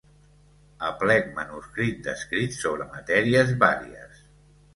Aplec manuscrit d’escrits sobre matèries vàries.